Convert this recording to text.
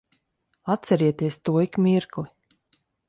Atcerieties to ik mirkli.